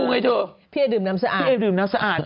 ฮะพี่เอ๋ดื่มน้ำสะอาด